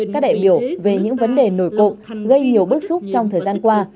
các đại biểu về những vấn đề nổi cộng gây nhiều bức xúc trong thời gian qua